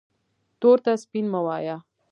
تور ته سپین مه وایه